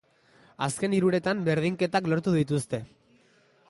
Azken hiruretan berdinketak lortu dituzte.